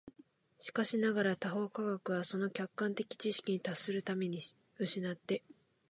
しかしながら他方科学は、その客観的知識に達するために、却って